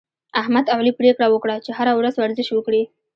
احمد او علي پرېکړه وکړه، چې هره ورځ ورزش وکړي